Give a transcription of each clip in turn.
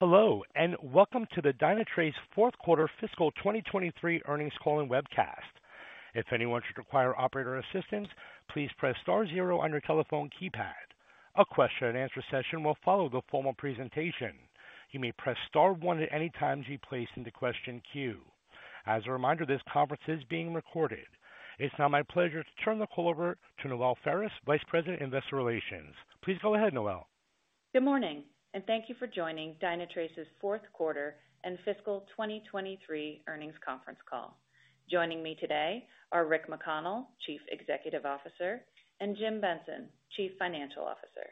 Hello, welcome to the Dynatrace Fourth Quarter Fiscal 2023 Earnings Call and Webcast. If anyone should require operator assistance, please press star 0 on your telephone keypad. A question-and-answer session will follow the formal presentation. You may press star one at any time to be placed in the question queue. As a reminder, this conference is being recorded. It's now my pleasure to turn the call over to Noelle Faris, Vice President Investor Relations. Please go ahead, Noelle. Good morning, thank you for joining Dynatrace's Fourth Quarter and Fiscal 2023 earnings conference call. Joining me today are Rick McConnell, Chief Executive Officer, and Jim Benson, Chief Financial Officer.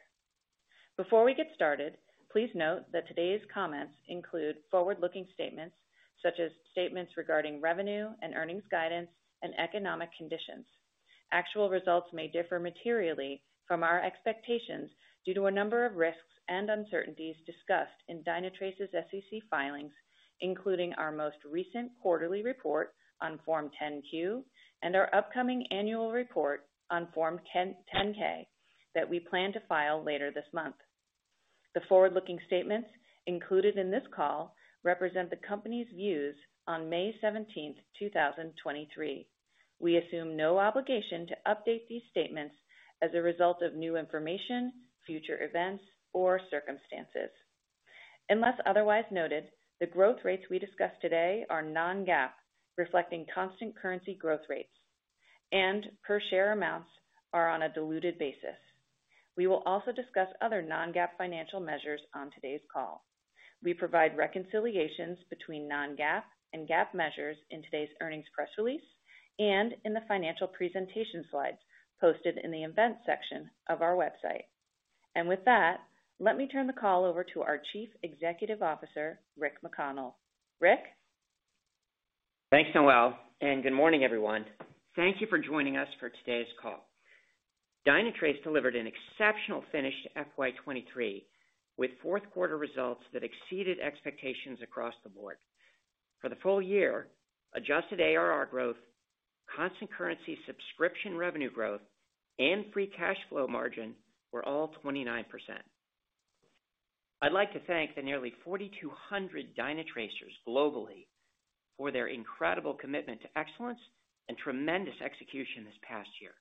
Before we get started, please note that today's comments include forward-looking statements such as statements regarding revenue and earnings guidance and economic conditions. Actual results may differ materially from our expectations due to a number of risks and uncertainties discussed in Dynatrace's SEC filings, including our most recent quarterly report on Form 10-Q and our upcoming annual report on Form 10-K that we plan to file later this month. The forward-looking statements included in this call represent the company's views on May 17th, 2023. We assume no obligation to update these statements as a result of new information, future events, or circumstances. Unless otherwise noted, the growth rates we discussed today are non-GAAP, reflecting constant currency growth rates, and per share amounts are on a diluted basis. We will also discuss other non-GAAP financial measures on today's call. We provide reconciliations between non-GAAP and GAAP measures in today's earnings press release and in the financial presentation slides posted in the events section of our website. With that, let me turn the call over to our Chief Executive Officer, Rick McConnell. Rick. Thanks, Noelle. Good morning, everyone. Thank you for joining us for today's call. Dynatrace delivered an exceptional finish to FY 2023, with fourth quarter results that exceeded expectations across the board. For the full year, adjusted ARR growth, constant currency subscription revenue growth, and free cash flow margin were all 29%. I'd like to thank the nearly 4,200 Dynatracers globally for their incredible commitment to excellence and tremendous execution this past year.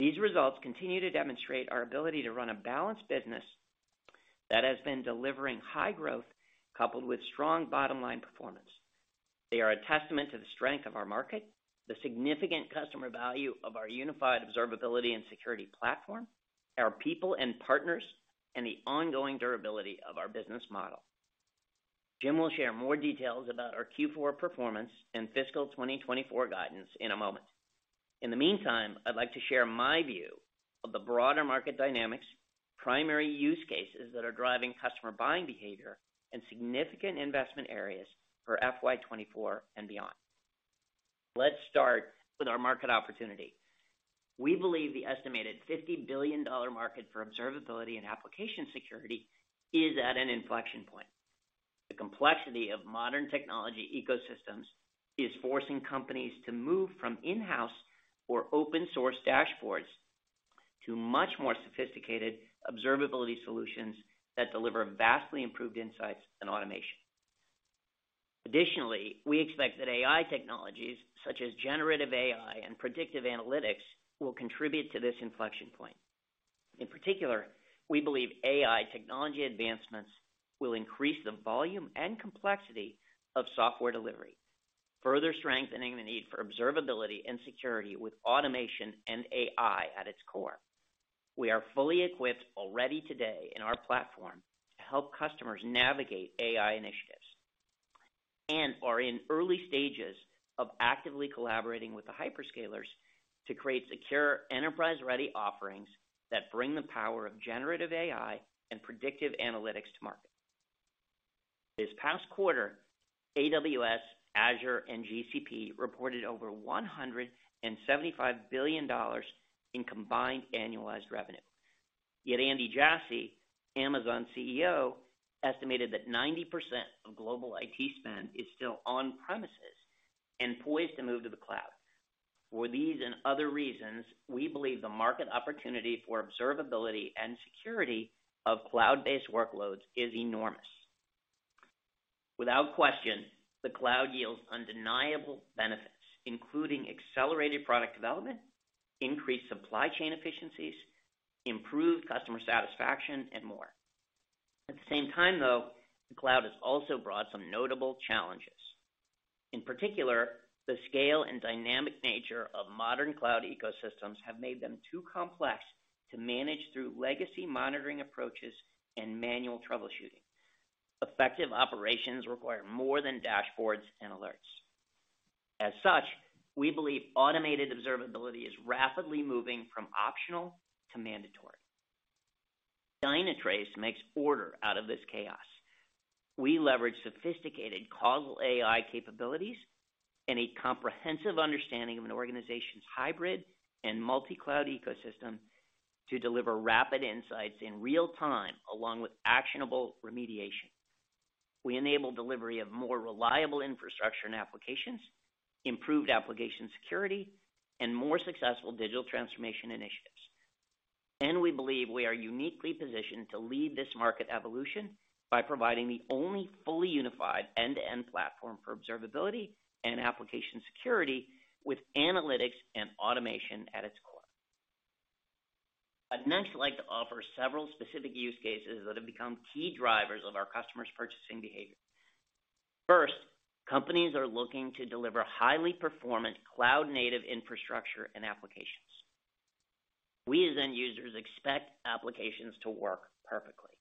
These results continue to demonstrate our ability to run a balanced business that has been delivering high growth coupled with strong bottom-line performance. They are a testament to the strength of our market, the significant customer value of our unified observability and security platform, our people and partners, and the ongoing durability of our business model. Jim will share more details about our Q4 performance and fiscal 2024 guidance in a moment. In the meantime, I'd like to share my view of the broader market dynamics, primary use cases that are driving customer buying behavior, and significant investment areas for FY 2024 and beyond. Let's start with our market opportunity. We believe the estimated $50 billion market for observability and application security is at an inflection point. The complexity of modern technology ecosystems is forcing companies to move from in-house or open source dashboards to much more sophisticated observability solutions that deliver vastly improved insights and automation. Additionally, we expect that AI technologies such as generative AI and predictive analytics will contribute to this inflection point. In particular, we believe AI technology advancements will increase the volume and complexity of software delivery, further strengthening the need for observability and security with automation and AI at its core. We are fully equipped already today in our platform to help customers navigate AI initiatives and are in early stages of actively collaborating with the hyperscalers to create secure enterprise-ready offerings that bring the power of generative AI and predictive analytics to market. This past quarter, AWS, Azure, and GCP reported over $175 billion in combined annualized revenue. Yet Andy Jassy, Amazon CEO, estimated that 90% of global IT spend is still on-premises and poised to move to the cloud. For these and other reasons, we believe the market opportunity for observability and security of cloud-based workloads is enormous. Without question, the cloud yields undeniable benefits, including accelerated product development, increased supply chain efficiencies, improved customer satisfaction, and more. At the same time, though, the cloud has also brought some notable challenges. In particular, the scale and dynamic nature of modern cloud ecosystems have made them too complex to manage through legacy monitoring approaches and manual troubleshooting. Effective operations require more than dashboards and alerts. As such, we believe automated observability is rapidly moving from optional to mandatory. Dynatrace makes order out of this chaos. We leverage sophisticated causal AI capabilities and a comprehensive understanding of an organization's hybrid and multi-cloud ecosystem to deliver rapid insights in real time, along with actionable remediation. We enable delivery of more reliable infrastructure and applications, improved application security, and more successful digital transformation initiatives. We believe we are uniquely positioned to lead this market evolution by providing the only fully unified end-to-end platform for observability and application security with analytics and automation at its core. I'd next like to offer several specific use cases that have become key drivers of our customers' purchasing behavior. First, companies are looking to deliver highly performant cloud-native infrastructure and applications. We, as end users, expect applications to work perfectly.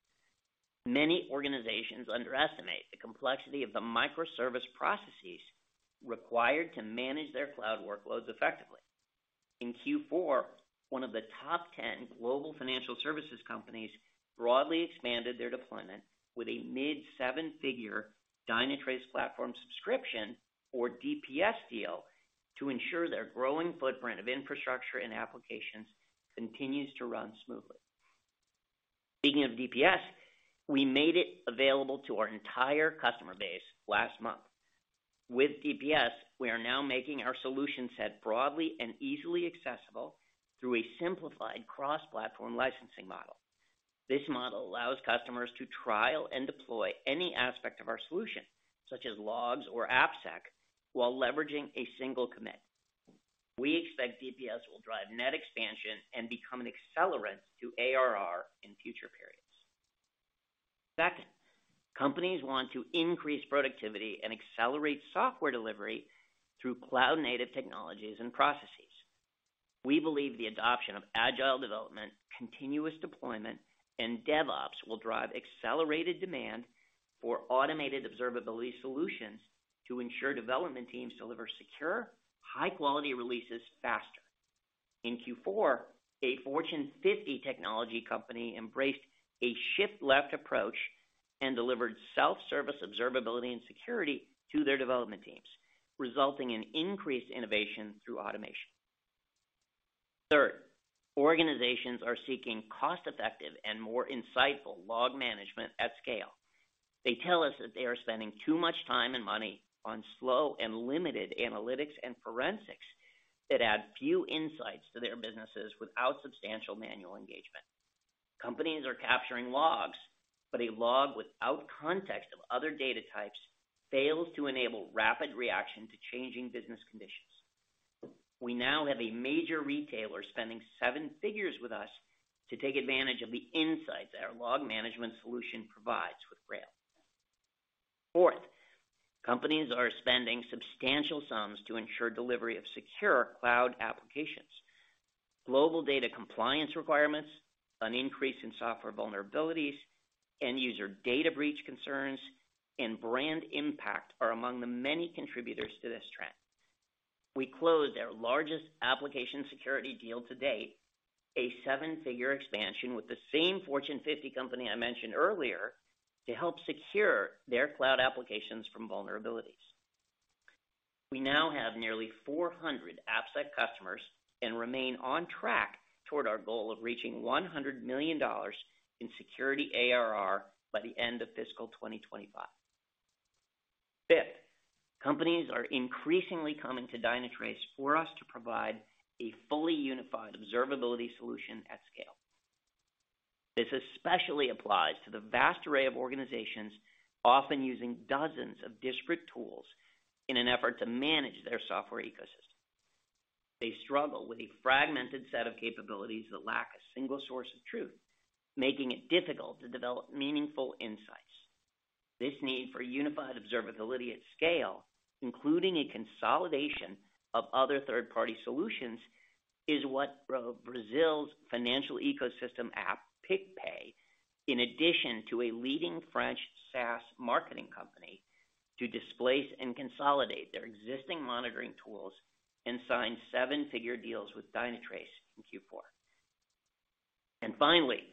Many organizations underestimate the complexity of the microservice processes required to manage their cloud workloads effectively. In Q4, one of the top 10 global financial services companies broadly expanded their deployment with a mid-seven-figure Dynatrace Platform Subscription, or DPS deal, to ensure their growing footprint of infrastructure and applications continues to run smoothly. Speaking of DPS, we made it available to our entire customer base last month. With DPS, we are now making our solution set broadly and easily accessible through a simplified cross-platform licensing model. This model allows customers to trial and deploy any aspect of our solution, such as logs or AppSec, while leveraging a single commit. We expect DPS will drive net expansion and become an accelerant to ARR in future periods. Second, companies want to increase productivity and accelerate software delivery through cloud-native technologies and processes. We believe the adoption of agile development, continuous deployment, and DevOps will drive accelerated demand for automated observability solutions to ensure development teams deliver secure, high-quality releases faster. In Q4, a Fortune 50 technology company embraced a shift left approach and delivered self-service observability and security to their development teams, resulting in increased innovation through automation. Third, organizations are seeking cost-effective and more insightful log management at scale. They tell us that they are spending too much time and money on slow and limited analytics and forensics that add few insights to their businesses without substantial manual engagement. Companies are capturing logs, but a log without context of other data types fails to enable rapid reaction to changing business conditions. We now have a major retailer spending seven figures with us to take advantage of the insights that our log management solution provides with Grail. Fourth, companies are spending substantial sums to ensure delivery of secure cloud applications. Global data compliance requirements, an increase in software vulnerabilities, end user data breach concerns, and brand impact are among the many contributors to this trend. We closed our largest application security deal to date, a seven-figure expansion with the same Fortune 50 company I mentioned earlier, to help secure their cloud applications from vulnerabilities. We now have nearly 400 AppSec customers and remain on track toward our goal of reaching $100 million in security ARR by the end of fiscal 2025. Fifth, companies are increasingly coming to Dynatrace for us to provide a fully unified observability solution at scale. This especially applies to the vast array of organizations often using dozens of disparate tools in an effort to manage their software ecosystem. They struggle with a fragmented set of capabilities that lack a single source of truth, making it difficult to develop meaningful insights. This need for unified observability at scale, including a consolidation of other third-party solutions, is what Brazil's financial ecosystem app PicPay, in addition to a leading French SaaS marketing company, to displace and consolidate their existing monitoring tools and sign seven-figure deals with Dynatrace in Q4. Finally,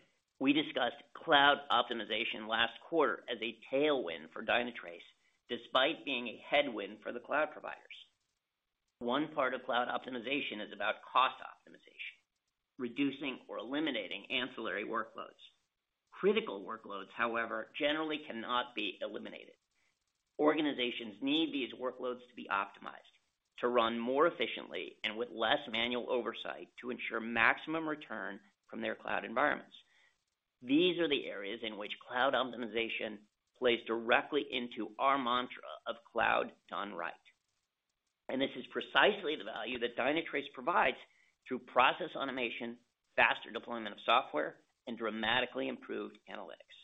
we discussed cloud optimization last quarter as a tailwind for Dynatrace, despite being a headwind for the cloud providers. One part of cloud optimization is about cost optimization, reducing or eliminating ancillary workloads. Critical workloads, however, generally cannot be eliminated. Organizations need these workloads to be optimized to run more efficiently and with less manual oversight to ensure maximum return from their cloud environments. These are the areas in which cloud optimization plays directly into our mantra of cloud done right. This is precisely the value that Dynatrace provides through process automation, faster deployment of software, and dramatically improved analytics.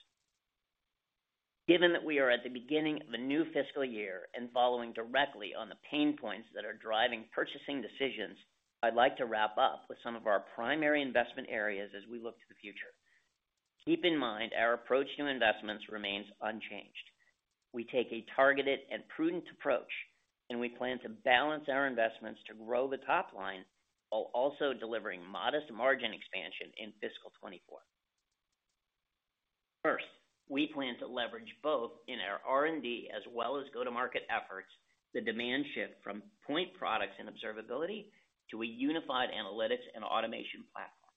Given that we are at the beginning of a new fiscal year and following directly on the pain points that are driving purchasing decisions, I'd like to wrap up with some of our primary investment areas as we look to the future. Keep in mind, our approach to investments remains unchanged. We take a targeted and prudent approach, and we plan to balance our investments to grow the top line while also delivering modest margin expansion in fiscal 2024. First, we plan to leverage both in our R&D as well as go-to-market efforts, the demand shift from point products and observability to a unified analytics and automation platform.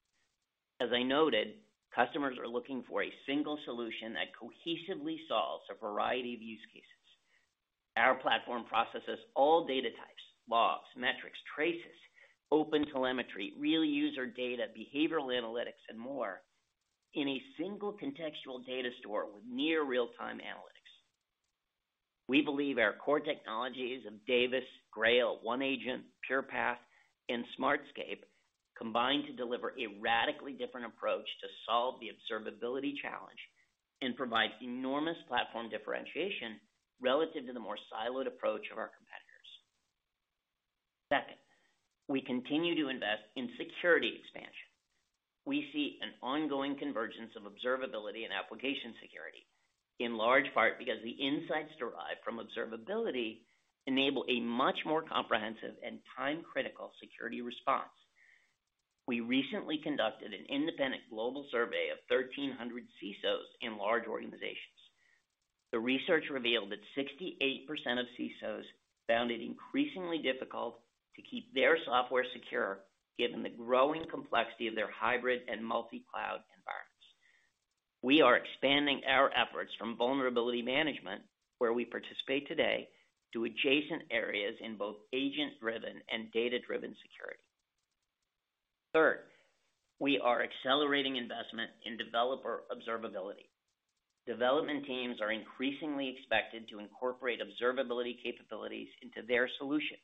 As I noted, customers are looking for a single solution that cohesively solves a variety of use cases. Our platform processes all data types, logs, metrics, traces, OpenTelemetry, real user data, behavioral analytics and more in a single contextual data store with near real-time analytics. We believe our core technologies of Davis, Grail, OneAgent, PurePath and Smartscape combine to deliver a radically different approach to solve the observability challenge and provide enormous platform differentiation relative to the more siloed approach of our competitors. Second, we continue to invest in security expansion. We see an ongoing convergence of observability and application security, in large part because the insights derived from observability enable a much more comprehensive and time-critical security response. We recently conducted an independent global survey of 1,300 CISOs in large organizations. The research revealed that 68% of CISOs found it increasingly difficult to keep their software secure given the growing complexity of their hybrid and multi-cloud environments. We are expanding our efforts from vulnerability management, where we participate today, to adjacent areas in both agent-driven and data-driven security. Third, we are accelerating investment in developer observability. Development teams are increasingly expected to incorporate observability capabilities into their solutions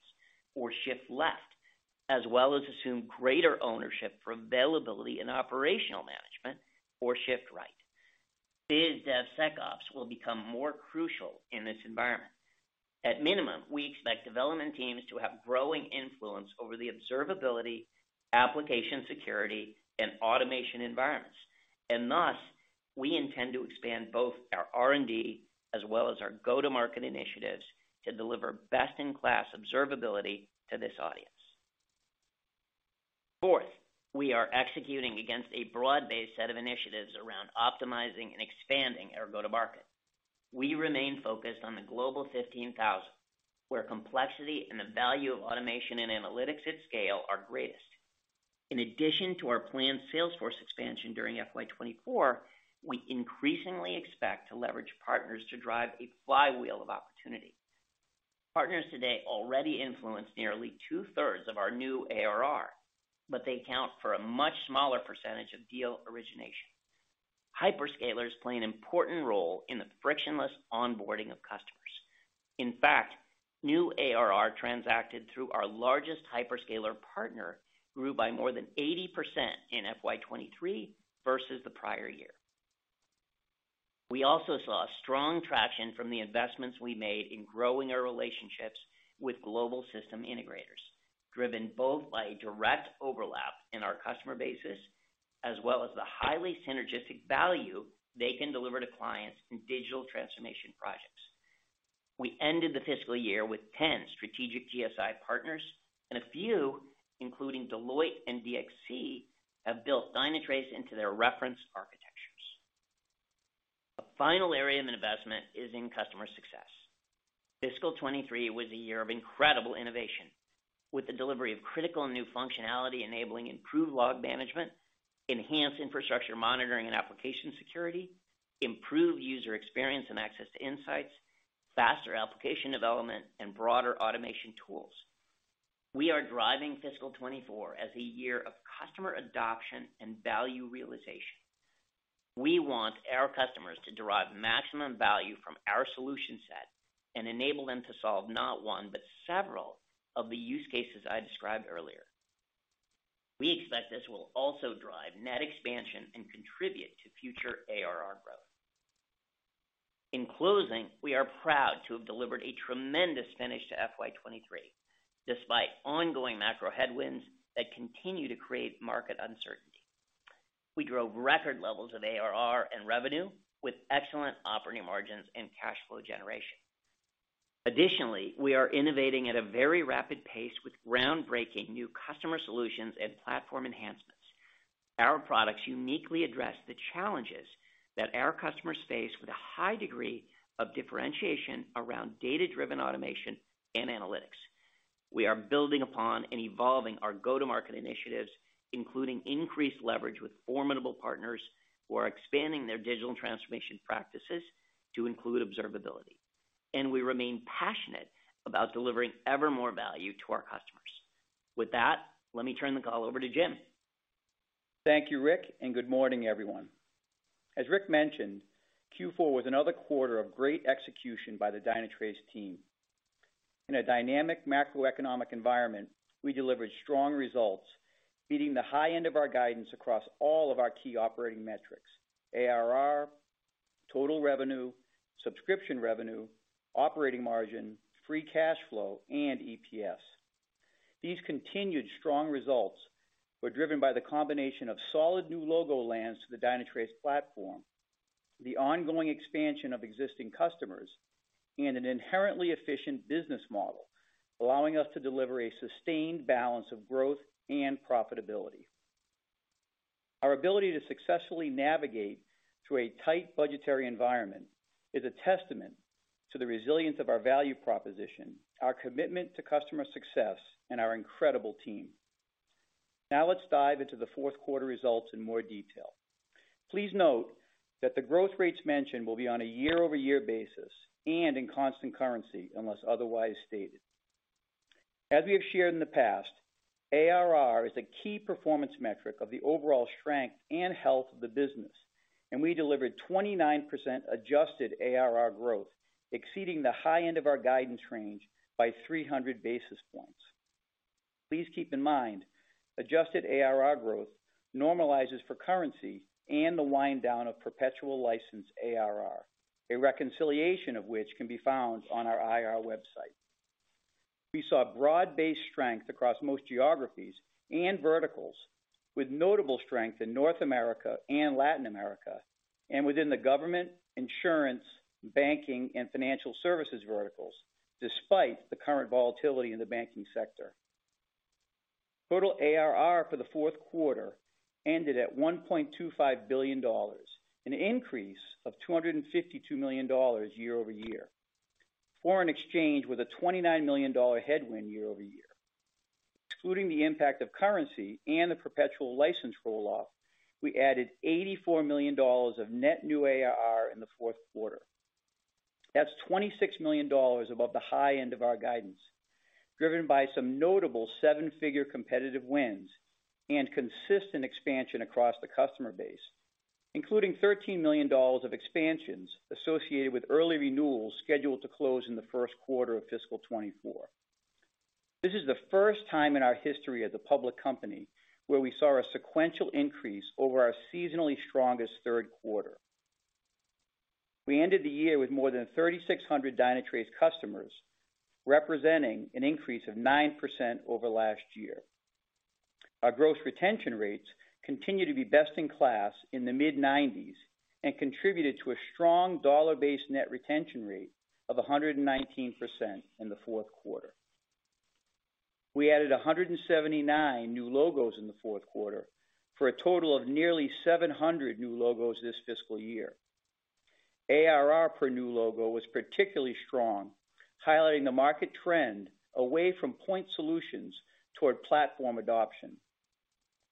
or shift left, as well as assume greater ownership for availability and operational management or shift right. BizDevSecOps will become more crucial in this environment. At minimum, we expect development teams to have growing influence over the observability, application security and automation environments. Thus, we intend to expand both our R&D as well as our go-to-market initiatives to deliver best-in-class observability to this audience. Fourth, we are executing against a broad-based set of initiatives around optimizing and expanding our go-to-market. We remain focused on the global 15,000, where complexity and the value of automation and analytics at scale are greatest. In addition to our planned sales force expansion during FY 2024, we increasingly expect to leverage partners to drive a flywheel of opportunity. Partners today already influence nearly two-thirds of our new ARR, but they account for a much smaller % of deal origination. Hyperscalers play an important role in the frictionless onboarding of customers. In fact, new ARR transacted through our largest hyperscaler partner grew by more than 80% in FY 2023 versus the prior year. We also saw strong traction from the investments we made in growing our relationships with global system integrators, driven both by direct overlap in our customer bases as well as the highly synergistic value they can deliver to clients in digital transformation projects. We ended the fiscal year with 10 strategic GSI partners, and a few, including Deloitte and DXC, have built Dynatrace into their reference architectures. A final area of investment is in customer success. Fiscal 2023 was a year of incredible innovation, with the delivery of critical new functionality enabling improved log management, enhanced infrastructure monitoring and application security, improved user experience and access to insights, faster application development and broader automation tools. We are driving fiscal 2024 as a year of customer adoption and value realization. We want our customers to derive maximum value from our solution set and enable them to solve not one, but several of the use cases I described earlier. We expect this will also drive net expansion and contribute to future ARR growth. In closing, we are proud to have delivered a tremendous finish to FY23 despite ongoing macro headwinds that continue to create market uncertainty. We drove record levels of ARR and revenue with excellent operating margins and cash flow generation. Additionally, we are innovating at a very rapid pace with groundbreaking new customer solutions and platform enhancements. Our products uniquely address the challenges that our customers face with a high degree of differentiation around data-driven automation and analytics. We are building upon and evolving our go-to-market initiatives, including increased leverage with formidable partners who are expanding their digital transformation practices to include observability. We remain passionate about delivering ever more value to our customers. With that, let me turn the call over to Jim. Thank you, Rick. Good morning, everyone. As Rick mentioned, Q4 was another quarter of great execution by the Dynatrace team. In a dynamic macroeconomic environment, we delivered strong results beating the high end of our guidance across all of our key operating metrics: ARR, total revenue, subscription revenue, operating margin, free cash flow and EPS. These continued strong results were driven by the combination of solid new logo lands to the Dynatrace platform, the ongoing expansion of existing customers, and an inherently efficient business model, allowing us to deliver a sustained balance of growth and profitability. Our ability to successfully navigate through a tight budgetary environment is a testament to the resilience of our value proposition, our commitment to customer success, and our incredible team. Let's dive into the fourth quarter results in more detail. Please note that the growth rates mentioned will be on a year-over-year basis and in constant currency unless otherwise stated. As we have shared in the past, ARR is a key performance metric of the overall strength and health of the business, and we delivered 29% adjusted ARR growth, exceeding the high end of our guidance range by 300 basis points. Please keep in mind, adjusted ARR growth normalizes for currency and the wind down of perpetual license ARR, a reconciliation of which can be found on our IR website. We saw broad-based strength across most geographies and verticals, with notable strength in North America and Latin America, and within the government, insurance, banking, and financial services verticals, despite the current volatility in the banking sector. Total ARR for the fourth quarter ended at $1.25 billion, an increase of $252 million year-over-year. Foreign exchange with a $29 million headwind year-over-year. Excluding the impact of currency and the perpetual license roll-off, we added $84 million of net new ARR in the fourth quarter. That's $26 million above the high end of our guidance, driven by some notable seven-figure competitive wins and consistent expansion across the customer base, including $13 million of expansions associated with early renewals scheduled to close in the first quarter of fiscal 2024. This is the first time in our history as a public company where we saw a sequential increase over our seasonally strongest third quarter. We ended the year with more than 3,600 Dynatrace customers, representing an increase of 9% over last year. Our gross retention rates continue to be best in class in the mid-90s, and contributed to a strong dollar-based net retention rate of 119% in the fourth quarter. We added 179 new logos in the fourth quarter for a total of nearly 700 new logos this fiscal year. ARR per new logo was particularly strong, highlighting the market trend away from point solutions toward platform adoption.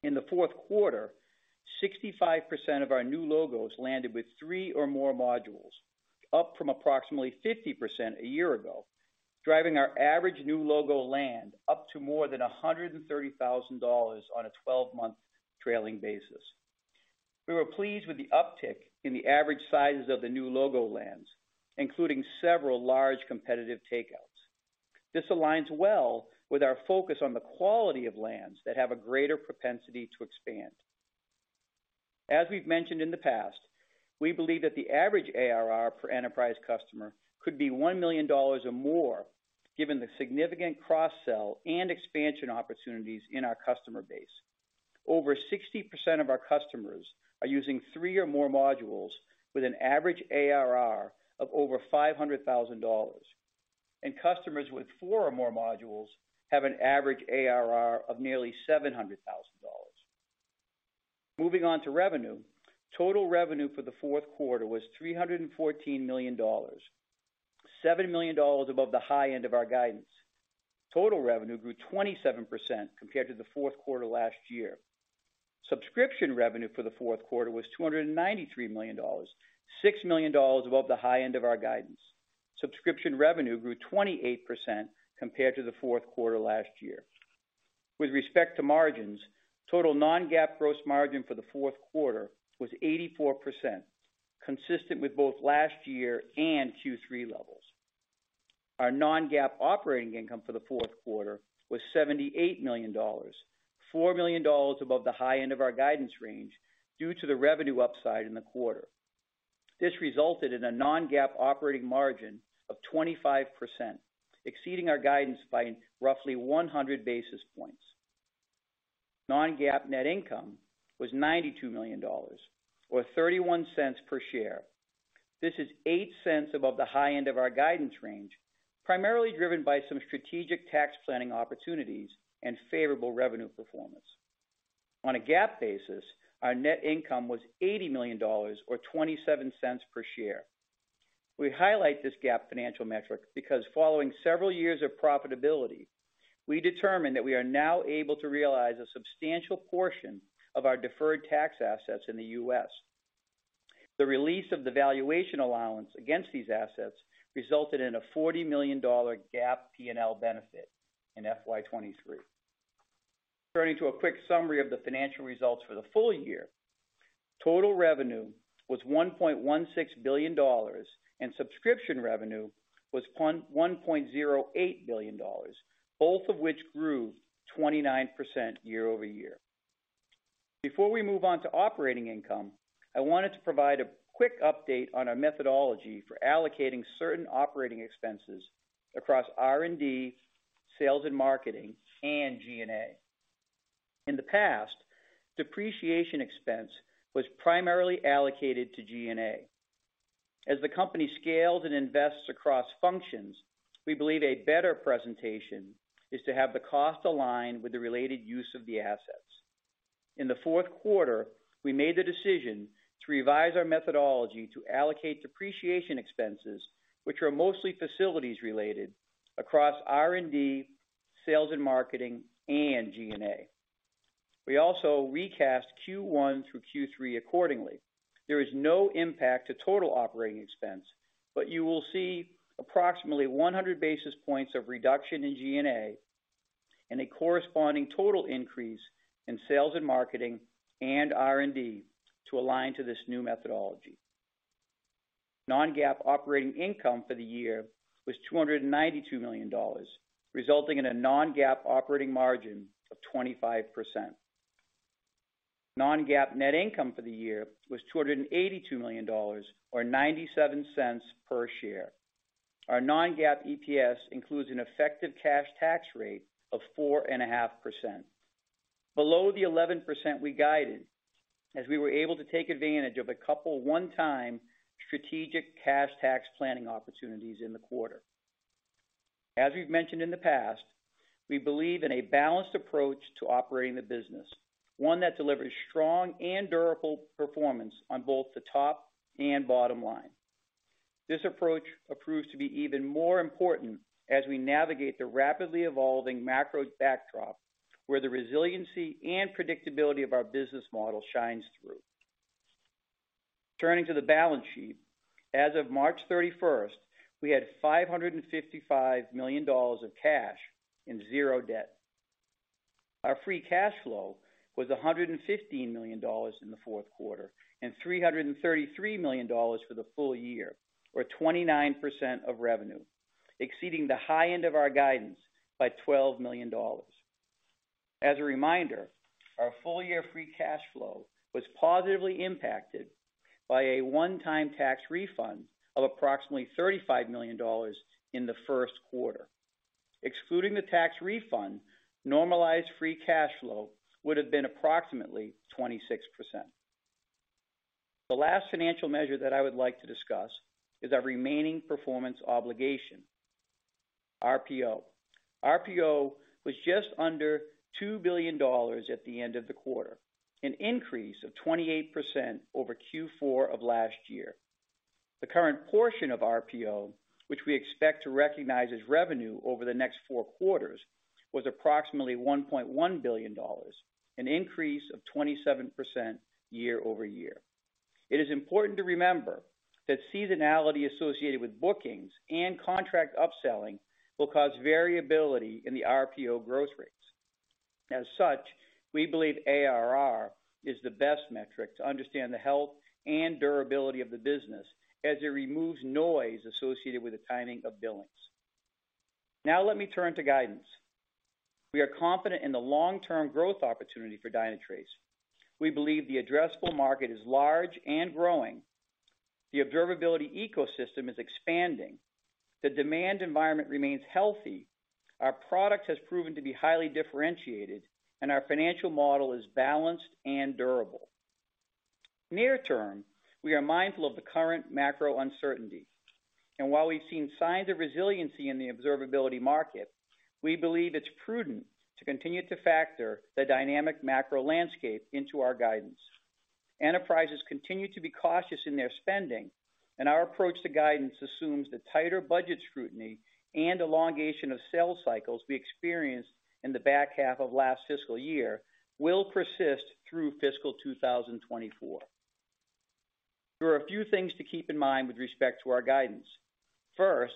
In the fourth quarter, 65% of our new logos landed with three or more modules, up from approximately 50% a year ago, driving our average new logo land up to more than $130,000 on a 12-month trailing basis. We were pleased with the uptick in the average sizes of the new logo lands, including several large competitive takeouts. This aligns well with our focus on the quality of lands that have a greater propensity to expand. As we've mentioned in the past, we believe that the average ARR per enterprise customer could be $1 million or more, given the significant cross-sell and expansion opportunities in our customer base. Over 60% of our customers are using three or more modules with an average ARR of over $500,000. Customers with four or more modules have an average ARR of nearly $700,000. Moving on to revenue. Total revenue for the fourth quarter was $314 million, $7 million above the high end of our guidance. Total revenue grew 27% compared to the fourth quarter last year. Subscription revenue for the fourth quarter was $293 million, $6 million above the high end of our guidance. Subscription revenue grew 28% compared to the fourth quarter last year. With respect to margins, total non-GAAP gross margin for the fourth quarter was 84%, consistent with both last year and Q3 levels. Our non-GAAP operating income for the fourth quarter was $78 million, $4 million above the high end of our guidance range due to the revenue upside in the quarter. This resulted in a non-GAAP operating margin of 25%, exceeding our guidance by roughly 100 basis points. Non-GAAP net income was $92 million or $0.31 per share. This is $0.08 above the high end of our guidance range, primarily driven by some strategic tax planning opportunities and favorable revenue performance. On a GAAP basis, our net income was $80 million or $0.27 per share. We highlight this GAAP financial metric because following several years of profitability, we determined that we are now able to realize a substantial portion of our deferred tax assets in the U.S. The release of the valuation allowance against these assets resulted in a $40 million GAAP P&L benefit in FY 2023. Turning to a quick summary of the financial results for the full year. Total revenue was $1.16 billion, and subscription revenue was $1.08 billion, both of which grew 29% year-over-year. Before we move on to operating income, I wanted to provide a quick update on our methodology for allocating certain operating expenses across R&D, sales and marketing, and G&A. In the past, depreciation expense was primarily allocated to G&A. As the company scales and invests across functions, we believe a better presentation is to have the cost align with the related use of the assets. In the fourth quarter, we made the decision to revise our methodology to allocate depreciation expenses, which are mostly facilities related across R&D, sales and marketing, and G&A. We also recast Q1 through Q3 accordingly. There is no impact to total operating expense, but you will see approximately 100 basis points of reduction in G&A and a corresponding total increase in sales and marketing and R&D to align to this new methodology. Non-GAAP operating income for the year was $292 million, resulting in a non-GAAP operating margin of 25%. Non-GAAP net income for the year was $282 million or $0.97 per share. Our non-GAAP EPS includes an effective cash tax rate of 4.5%. Below the 11% we guided as we were able to take advantage of a couple one-time strategic cash tax planning opportunities in the quarter. As we've mentioned in the past, we believe in a balanced approach to operating the business, one that delivers strong and durable performance on both the top and bottom line. This approach proves to be even more important as we navigate the rapidly evolving macro backdrop, where the resiliency and predictability of our business model shines through. Turning to the balance sheet. As of March 31st, we had $555 million of cash and 0 debt. Our free cash flow was $115 million in the fourth quarter, and $333 million for the full year, or 29% of revenue, exceeding the high end of our guidance by $12 million. As a reminder, our full-year free cash flow was positively impacted by a one-time tax refund of approximately $35 million in the first quarter. Excluding the tax refund, normalized free cash flow would have been approximately 26%. The last financial measure that I would like to discuss is our remaining performance obligation, RPO. RPO was just under $2 billion at the end of the quarter, an increase of 28% over Q4 of last year. The current portion of RPO, which we expect to recognize as revenue over the next four quarters, was approximately $1.1 billion, an increase of 27% year-over-year. It is important to remember that seasonality associated with bookings and contract upselling will cause variability in the RPO growth rates. As such, we believe ARR is the best metric to understand the health and durability of the business as it removes noise associated with the timing of billings. Now let me turn to guidance. We are confident in the long-term growth opportunity for Dynatrace. We believe the addressable market is large and growing. The observability ecosystem is expanding. The demand environment remains healthy. Our product has proven to be highly differentiated, and our financial model is balanced and durable. Near term, we are mindful of the current macro uncertainty, and while we've seen signs of resiliency in the observability market, we believe it's prudent to continue to factor the dynamic macro landscape into our guidance. Enterprises continue to be cautious in their spending, and our approach to guidance assumes that tighter budget scrutiny and elongation of sales cycles we experienced in the back half of last fiscal year will persist through fiscal 2024. There are a few things to keep in mind with respect to our guidance. First,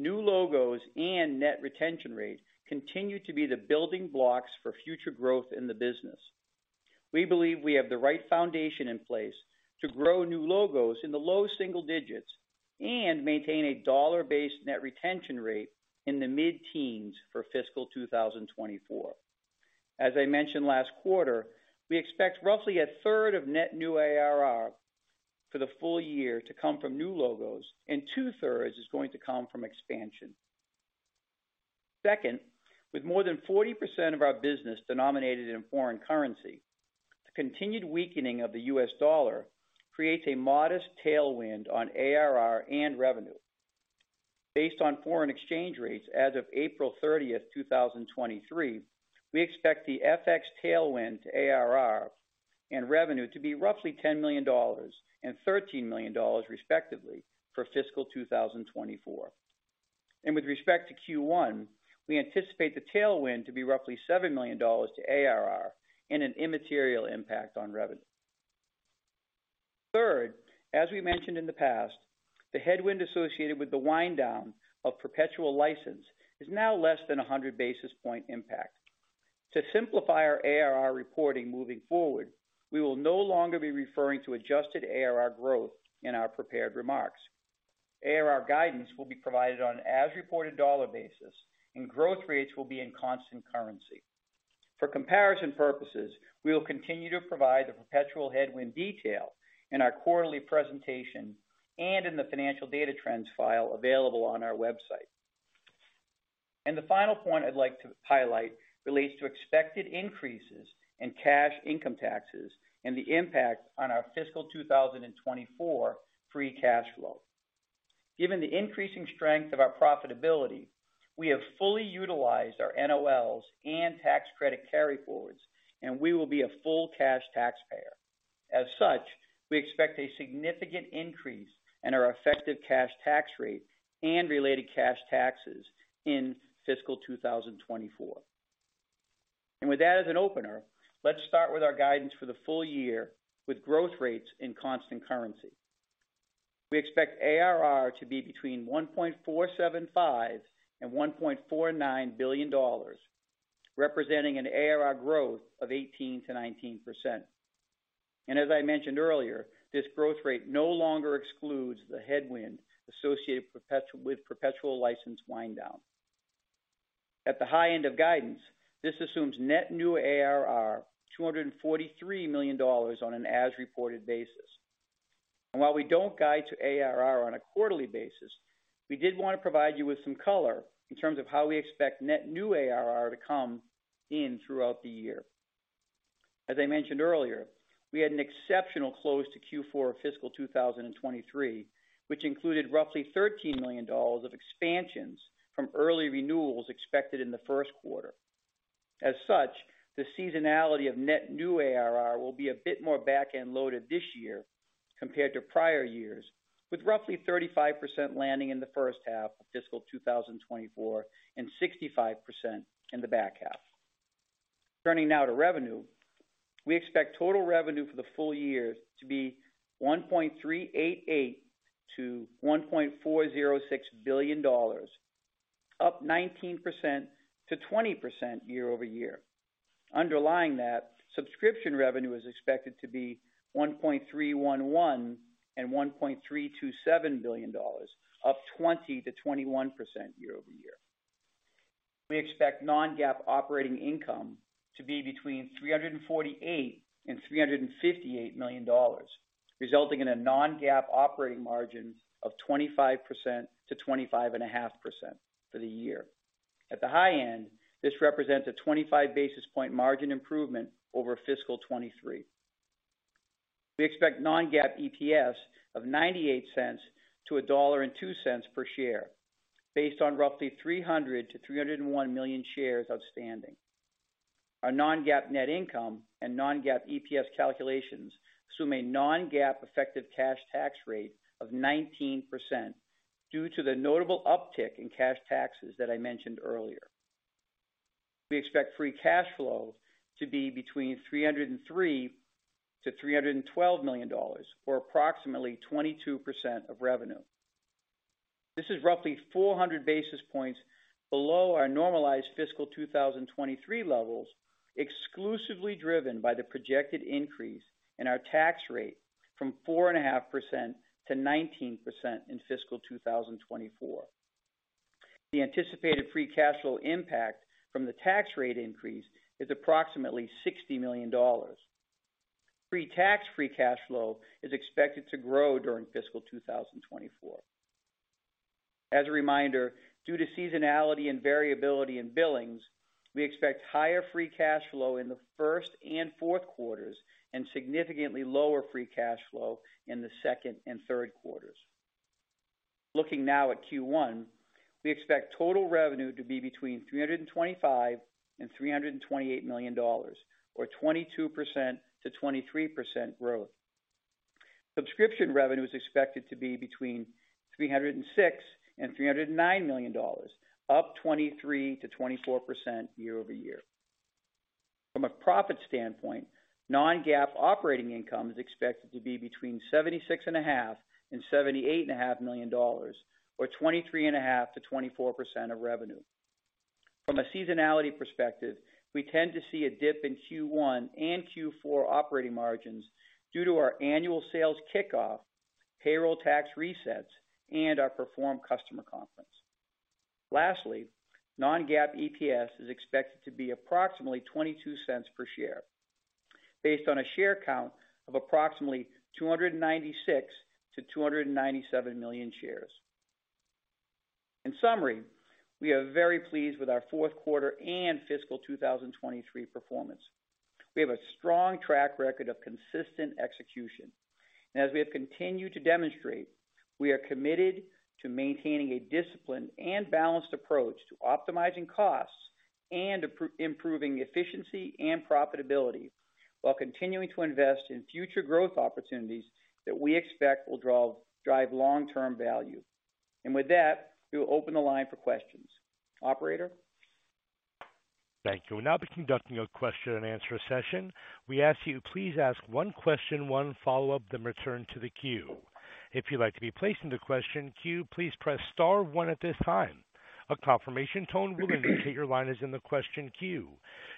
new logos and net retention rate continue to be the building blocks for future growth in the business. We believe we have the right foundation in place to grow new logos in the low single digits and maintain a dollar-based net retention rate in the mid-teens for fiscal 2024. As I mentioned last quarter, we expect roughly 1/3 of net new ARR for the full year to come from new logos, and 2/3 is going to come from expansion. Second, with more than 40% of our business denominated in foreign currency, the continued weakening of the US dollar creates a modest tailwind on ARR and revenue. Based on foreign exchange rates as of April 30th, 2023, we expect the FX tailwind to ARR and revenue to be roughly $10 million and $13 million respectively for fiscal 2024. With respect to Q1, we anticipate the tailwind to be roughly $7 million to ARR and an immaterial impact on revenue. Third, as we mentioned in the past, the headwind associated with the wind down of perpetual license is now less than 100 basis point impact. To simplify our ARR reporting moving forward, we will no longer be referring to adjusted ARR growth in our prepared remarks. ARR guidance will be provided on an as reported dollar basis, and growth rates will be in constant currency. For comparison purposes, we will continue to provide the perpetual headwind detail in our quarterly presentation and in the financial data trends file available on our website. The final point I'd like to highlight relates to expected increases in cash income taxes and the impact on our fiscal 2024 free cash flow. Given the increasing strength of our profitability, we have fully utilized our NOLs and tax credit carry forwards, and we will be a full cash taxpayer. As such, we expect a significant increase in our effective cash tax rate and related cash taxes in fiscal 2024. With that as an opener, let's start with our guidance for the full year with growth rates in constant currency. We expect ARR to be between $1.475 billion and $1.49 billion, representing an ARR growth of 18%-19%. As I mentioned earlier, this growth rate no longer excludes the headwind associated with perpetual license wind down. At the high end of guidance, this assumes net new ARR, $243 million on an as-reported basis. While we don't guide to ARR on a quarterly basis, we did want to provide you with some color in terms of how we expect net new ARR to come in throughout the year. As I mentioned earlier, we had an exceptional close to Q4 of fiscal 2023, which included roughly $13 million of expansions from early renewals expected in the first quarter. Such, the seasonality of net new ARR will be a bit more back-end loaded this year compared to prior years, with roughly 35% landing in the first half of fiscal 2024 and 65% in the back half. Turning now to revenue. We expect total revenue for the full year to be $1.388 billion-$1.406 billion, up 19%-20% year-over-year. Underlying that, subscription revenue is expected to be $1.311 billion and $1.327 billion, up 20%-21% year-over-year. We expect non-GAAP operating income to be between $348 million and $358 million, resulting in a non-GAAP operating margin of 25%-25.5% for the year. At the high end, this represents a 25 basis point margin improvement over fiscal 2023. We expect non-GAAP EPS of $0.98-$1.02 per share based on roughly $300 million-$301 million shares outstanding. Our non-GAAP net income and non-GAAP EPS calculations assume a non-GAAP effective cash tax rate of 19% due to the notable uptick in cash taxes that I mentioned earlier. We expect free cash flow to be between $303 million and $312 million, or approximately 22% of revenue. This is roughly 400 basis points below our normalized fiscal 2023 levels, exclusively driven by the projected increase in our tax rate from 4.5% to 19% in fiscal 2024. The anticipated free cash flow impact from the tax rate increase is approximately $60 million. Pre-tax free cash flow is expected to grow during fiscal 2024. As a reminder, due to seasonality and variability in billings, we expect higher free cash flow in the first and fourth quarters and significantly lower free cash flow in the second and third quarters. Looking now at Q1, we expect total revenue to be between $325 million and $328 million, or 22%-23% growth. Subscription revenue is expected to be between $306 million and $309 million, up 23%-24% year-over-year. From a profit standpoint, non-GAAP operating income is expected to be between $76.5 million and $78.5 million, or 23.5%-24% of revenue. From a seasonality perspective, we tend to see a dip in Q1 and Q4 operating margins due to our annual sales kickoff, payroll tax resets, and our Perform customer conference. Lastly, non-GAAP EPS is expected to be approximately $0.22 per share based on a share count of approximately $296 million-$297 million shares. In summary, we are very pleased with our fourth quarter and fiscal 2023 performance. We have a strong track record of consistent execution. As we have continued to demonstrate, we are committed to maintaining a disciplined and balanced approach to optimizing costs and improving efficiency and profitability while continuing to invest in future growth opportunities that we expect will drive long-term value. With that, we will open the line for questions. Operator? Thank you. We'll now be conducting a question-and-answer session. We ask you please ask one question, one follow-up, then return to the queue. If you'd like to be placed in the question queue, please press star one at this time. A confirmation tone will indicate your line is in the question queue.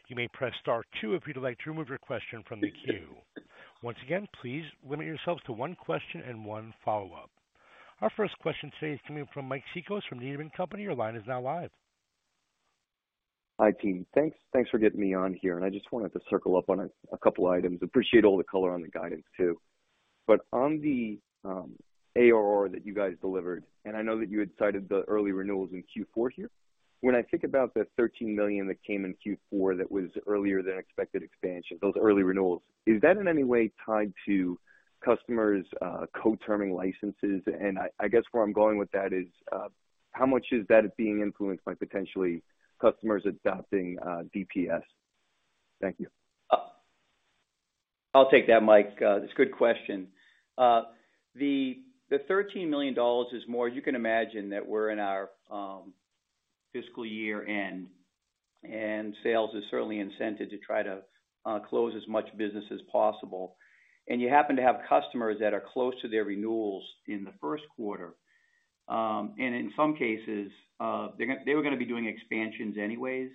You may press star two if you'd like to remove your question from the queue. Once again, please limit yourselves to one question and one follow-up. Our first question today is coming from Mike Cikos from Needham & Company. Your line is now live. Hi, team. Thanks for getting me on here, and I just wanted to circle up on a couple items. Appreciate all the color on the guidance too. On the ARR that you guys delivered, and I know that you had cited the early renewals in Q4 here. When I think about the $13 million that came in Q4, that was earlier than expected expansion, those early renewals, is that in any way tied to customers co-terming licenses? I guess where I'm going with that is, how much is that being influenced by potentially customers adopting DPS? Thank you. I'll take that, Mike. That's a good question. The $13 million is more. You can imagine that we're in our fiscal year-end, sales is certainly incented to try to close as much business as possible. You happen to have customers that are close to their renewals in the first quarter. In some cases, they're gonna be doing expansions anyways.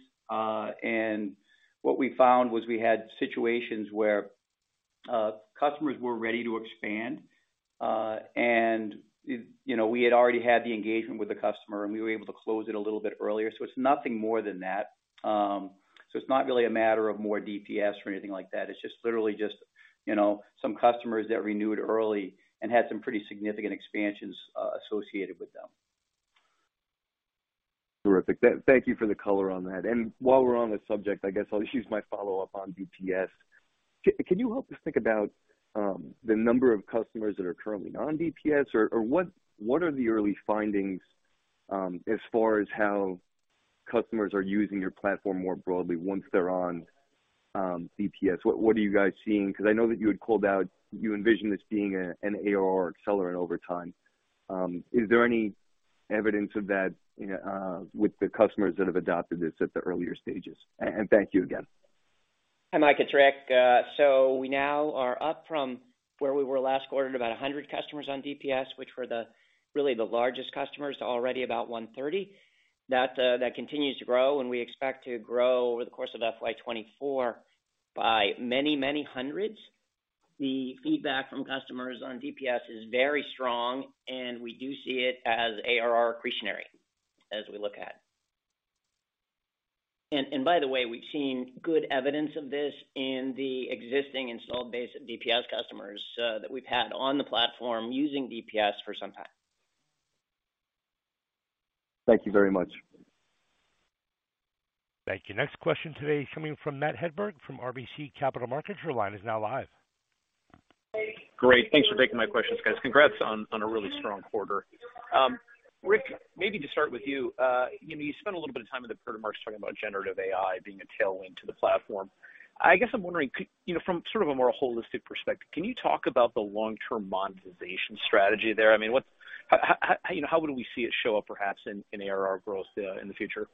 What we found was we had situations where customers were ready to expand. You know, we had already had the engagement with the customer, and we were able to close it a little bit earlier, so it's nothing more than that. It's not really a matter of more DPS or anything like that. It's literally just, you know, some customers that renewed early and had some pretty significant expansions, associated with them. Terrific. Thank you for the color on that. While we're on the subject, I guess I'll use my follow-up on DPS. Can you help us think about the number of customers that are currently on DPS or what are the early findings as far as how customers are using your platform more broadly once they're on DPS? What are you guys seeing? Because I know that you had called out you envision this being an ARR accelerant over time. Is there any evidence of that with the customers that have adopted this at the earlier stages? Thank you again. Hi, Mike, it's Rick. We now are up from where we were last quarter to about 100 customers on DPS, which were the largest customers to already about 130. That continues to grow, and we expect to grow over the course of FY 2024 by many, many hundreds. The feedback from customers on DPS is very strong, and we do see it as ARR accretionary as we look at. By the way, we've seen good evidence of this in the existing installed base of DPS customers that we've had on the platform using DPS for some time. Thank you very much. Thank you. Next question today coming from Matt Hedberg from RBC Capital Markets. Your line is now live. Great. Thanks for taking my questions, guys. Congrats on a really strong quarter. Rick, maybe to start with you. You know, you spent a little bit of time in the prepared remarks talking about generative AI being a tailwind to the platform. I guess I'm wondering, you know, from sort of a more holistic perspective, can you talk about the long-term monetization strategy there? I mean, how, you know, how would we see it show up perhaps in ARR growth in the future?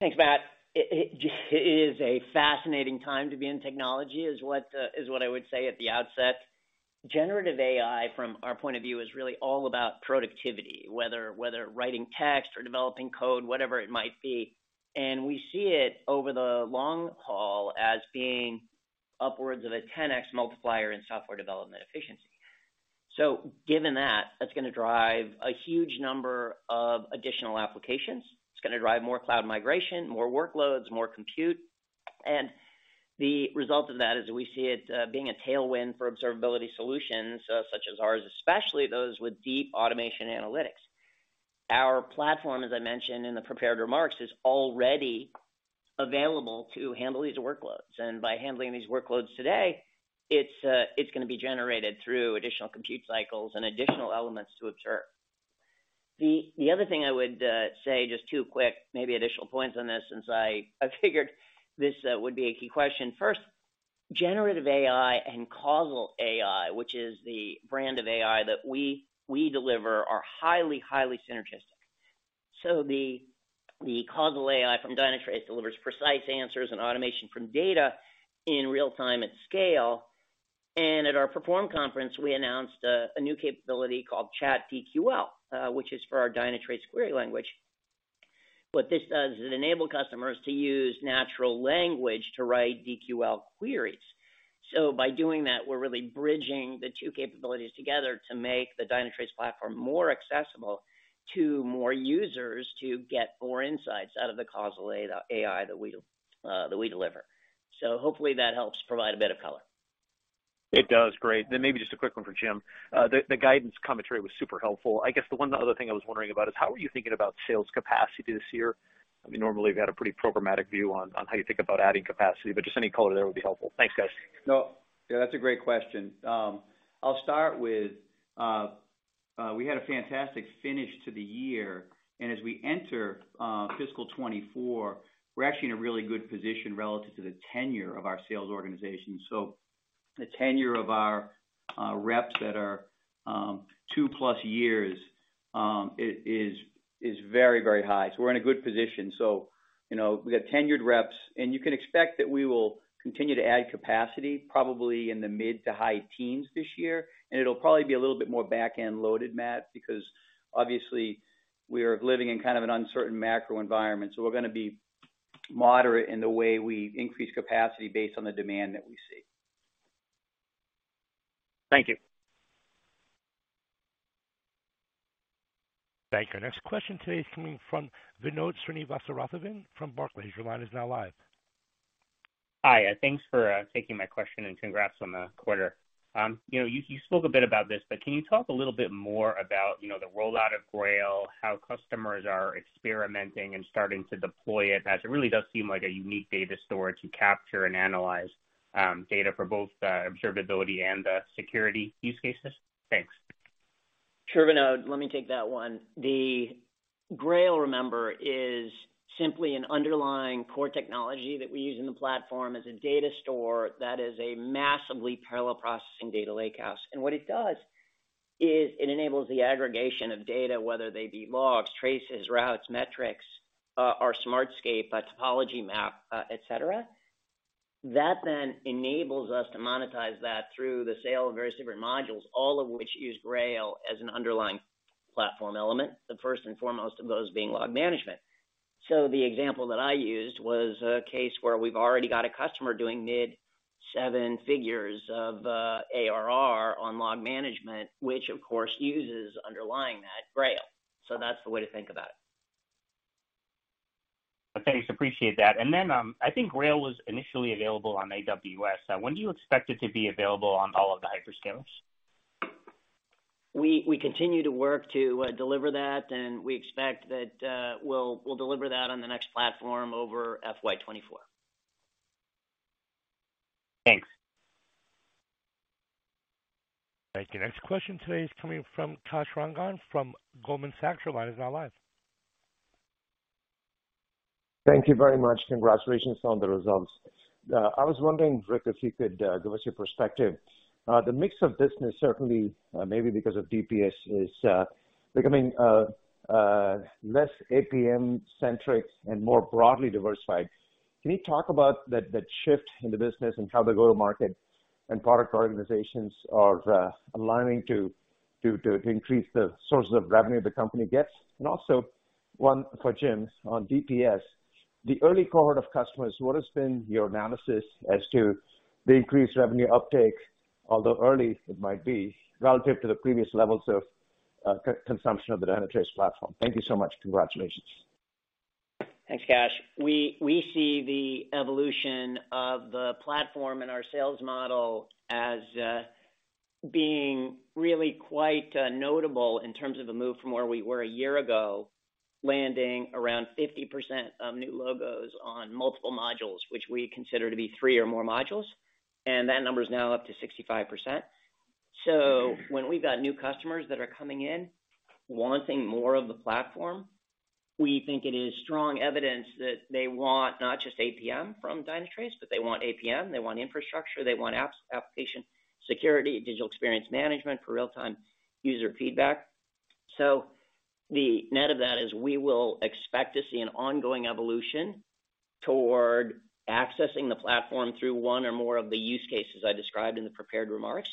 Thanks, Matt. It just is a fascinating time to be in technology is what I would say at the outset. Generative AI, from our point of view, is really all about productivity, whether writing text or developing code, whatever it might be. We see it over the long haul as being upwards of a 10x multiplier in software development efficiency. Given that's gonna drive a huge number of additional applications. It's gonna drive more cloud migration, more workloads, more compute. The result of that is we see it being a tailwind for observability solutions such as ours, especially those with deep automation analytics. Our platform, as I mentioned in the prepared remarks, is already available to handle these workloads. By handling these workloads today, it's gonna be generated through additional compute cycles and additional elements to observe. The other thing I would say, just two quick maybe additional points on this since I figured this would be a key question. First, generative AI and causal AI, which is the brand of AI that we deliver, are highly synergistic. The causal AI from Dynatrace delivers precise answers and automation from data in real time at scale. At our Perform Conference, we announced a new capability called Chat DQL, which is for our Dynatrace Query Language. What this does is enable customers to use natural language to write DQL queries. By doing that, we're really bridging the two capabilities together to make the Dynatrace platform more accessible to more users to get more insights out of the causal A, the AI that we that we deliver. Hopefully that helps provide a bit of color. It does. Great. Maybe just a quick one for Jim. The guidance commentary was super helpful. I guess the one other thing I was wondering about is how are you thinking about sales capacity this year? I mean, normally you've had a pretty programmatic view on how you think about adding capacity, but just any color there would be helpful. Thanks, guys. No, yeah, that's a great question. I'll start with we had a fantastic finish to the year. As we enter fiscal 2024, we're actually in a really good position relative to the tenure of our sales organization. The tenure of our reps that are 2+ years is very, very high. We're in a good position. You know, we got tenured reps, and you can expect that we will continue to add capacity probably in the mid to high teens this year. It'll probably be a little bit more back-end loaded, Matt, because obviously we're living in kind of an uncertain macro environment. We're gonna be moderate in the way we increase capacity based on the demand that we see. Thank you. Thank you. Next question today is coming from Vinod Srinivasaraghavan from Barclays. Your line is now live. Hi, thanks for taking my question, and congrats on the quarter. You know, you spoke a bit about this. Can you talk a little bit more about, you know, the rollout of Grail, how customers are experimenting and starting to deploy it, as it really does seem like a unique data store to capture and analyze, data for both the observability and the security use cases? Thanks. Sure, Vinod. Let me take that one. The Grail, remember, is simply an underlying core technology that we use in the platform as a data store that is a massively parallel processing data lakehouse. What it does is it enables the aggregation of data, whether they be logs, traces, routes, metrics, our Smartscape, a topology map, et cetera. Then enables us to monetize that through the sale of various different modules, all of which use Grail as an underlying platform element, the first and foremost of those being log management. The example that I used was a case where we've already got a customer doing mid-seven figures of ARR on log management, which of course uses underlying that, Grail. That's the way to think about it. Thanks. Appreciate that. I think Grail was initially available on AWS. When do you expect it to be available on all of the hyperscalers? We continue to work to deliver that, and we expect that, we'll deliver that on the next platform over FY 2024. Thanks. Thank you. Next question today is coming from Kash Rangan from Goldman Sachs. Your line is now live. Thank you very much. Congratulations on the results. I was wondering, Rick, if you could give us your perspective. The mix of business, certainly, maybe because of DPS, is becoming less APM-centric and more broadly diversified. Can you talk about that shift in the business and how the go-to-market and product organizations are aligning to increase the sources of revenue the company gets? And also one for Jim on DPS. The early cohort of customers, what has been your analysis as to the increased revenue uptake, although early it might be, relative to the previous levels of consumption of the Dynatrace platform? Thank you so much. Congratulations. Thanks, Kash. We see the evolution of the platform and our sales model as being really quite notable in terms of a move from where we were a year ago, landing around 50% of new logos on multiple modules, which we consider to be three or more modules, and that number is now up to 65%. When we've got new customers that are coming in wanting more of the platform, we think it is strong evidence that they want not just APM from Dynatrace, but they want APM, they want infrastructure, they want apps, application security, digital experience management for real-time user feedback. The net of that is we will expect to see an ongoing evolution toward accessing the platform through one or more of the use cases I described in the prepared remarks.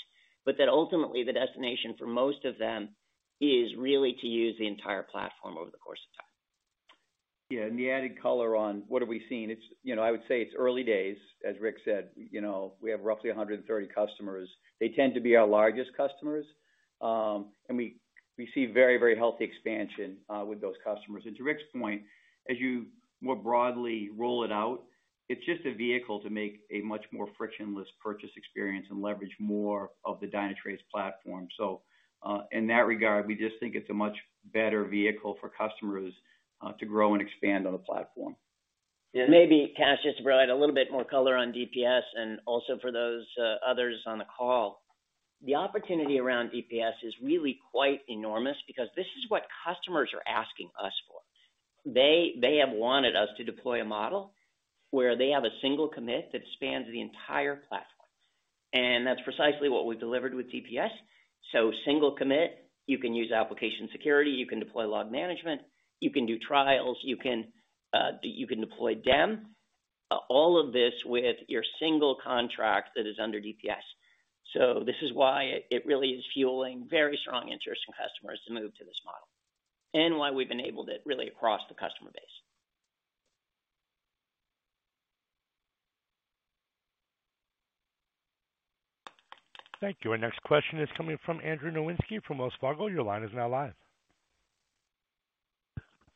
That ultimately the destination for most of them is really to use the entire platform over the course of time. Yeah. The added color on what are we seeing, it's, you know, I would say it's early days, as Rick said. You know, we have roughly 130 customers. They tend to be our largest customers. We see very healthy expansion with those customers. To Rick's point, as you more broadly roll it out, it's just a vehicle to make a much more frictionless purchase experience and leverage more of the Dynatrace platform. In that regard, we just think it's a much better vehicle for customers to grow and expand on the platform. Yeah. Maybe, Kash, just to provide a little bit more color on DPS and also for those, others on the call. The opportunity around DPS is really quite enormous because this is what customers are asking us for. They have wanted us to deploy a model where they have a single commit that spans the entire platform, and that's precisely what we've delivered with DPS. single commit, you can use application security, you can deploy log management, you can do trials, you can deploy DEM, all of this with your single contract that is under DPS. this is why it really is fueling very strong interest from customers to move to this model and why we've enabled it really across the customer base. Thank you. Our next question is coming from Andrew Nowinski from Wells Fargo. Your line is now live.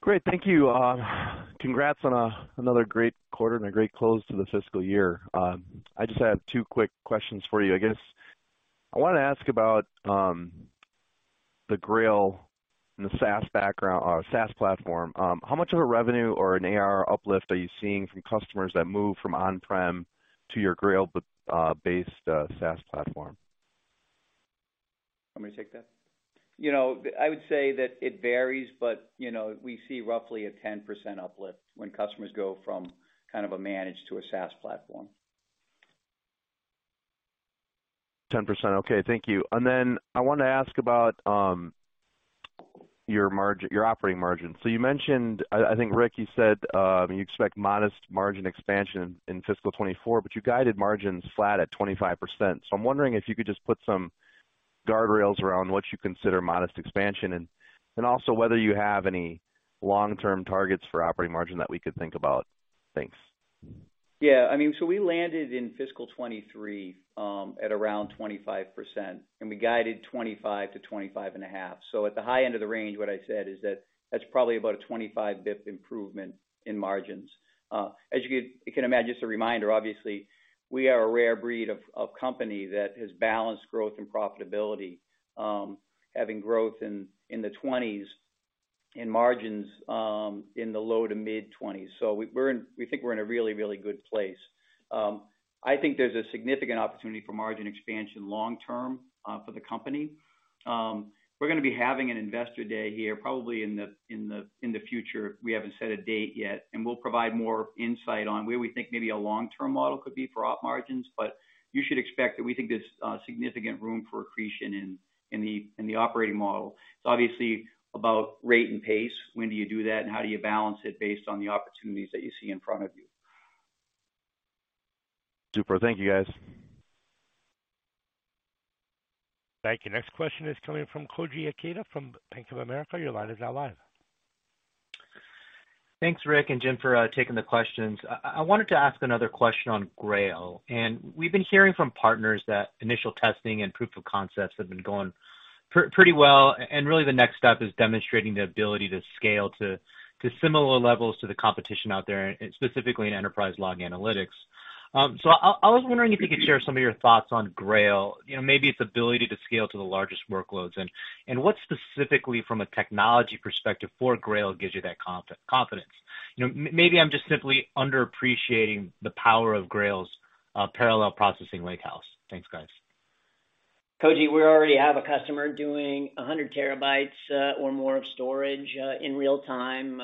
Great. Thank you. Congrats on another great quarter and a great close to the fiscal year. I just have two quick questions for you. I guess I want to ask about the Grail and the SaaS platform. How much of a revenue or an ARR uplift are you seeing from customers that move from on-prem to your Grail based SaaS platform? You want me to take that? You know, I would say that it varies, but, you know, we see roughly a 10% uplift when customers go from kind of a managed to a SaaS platform. 10%. Okay. Thank you. I wanted to ask about your margin, your operating margin. You mentioned, I think, Rick, you said you expect modest margin expansion in fiscal 2024, but you guided margins flat at 25%. I'm wondering if you could just put some guardrails around what you consider modest expansion and also whether you have any long-term targets for operating margin that we could think about. Thanks. Yeah, I mean, we landed in fiscal 2023, at around 25%, and we guided 25%-25.5%. At the high end of the range, what I said is that that's probably about a 25 basis points improvement in margins. As you can imagine, just a reminder, obviously, we are a rare breed of company that has balanced growth and profitability, having growth in the 20s in margins, in the low to mid-20s. We think we're in a really, really good place. I think there's a significant opportunity for margin expansion long term, for the company. We're gonna be having an investor day here probably in the future. We haven't set a date yet. We'll provide more insight on where we think maybe a long-term model could be for op margins. You should expect that we think there's significant room for accretion in the operating model. It's obviously about rate and pace. When do you do that, and how do you balance it based on the opportunities that you see in front of you? Super. Thank you, guys. Thank you. Next question is coming from Koji Ikeda from Bank of America. Your line is now live. Thanks, Rick and Jim, for taking the questions. I wanted to ask another question on Grail. We've been hearing from partners that initial testing and proof of concepts have been going pretty well. Really the next step is demonstrating the ability to scale to similar levels to the competition out there, and specifically in enterprise log analytics. So I was wondering if you could share some of your thoughts on Grail, you know, maybe its ability to scale to the largest workloads? What specifically from a technology perspective for Grail gives you that confidence? You know, maybe I'm just simply underappreciating the power of Grail's parallel processing lakehouse. Thanks, guys. Koji, we already have a customer doing 100 TB, or more of storage, in real time,